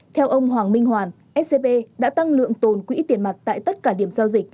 theo ông hoàng minh hoàn scb đã tăng lượng tồn quỹ tiền mặt tại tất cả điểm giao dịch